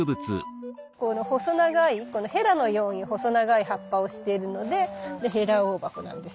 細長いこのヘラのように細長い葉っぱをしているのでヘラオオバコなんです。